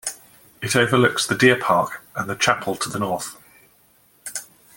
It overlooks the Deer Park and the Chapel to the North.